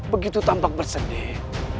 begitu tampak bersedih